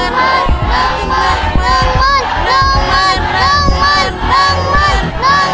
น้ำมันน้ำมันน้ำมันน้ำมันน้ำมัน